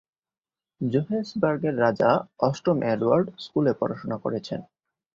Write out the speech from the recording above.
জোহেন্সবার্গের রাজা অষ্টম এডওয়ার্ড স্কুলে পড়াশোনা করেছেন।